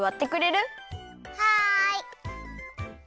はい。